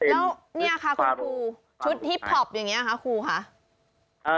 แล้วนี่ค่ะคุณครูชุดฮิปพอปอย่างนี้ค่ะครูคะ